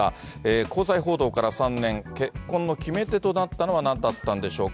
交際報道から３年、結婚の決め手となったのはなんだったんでしょうか。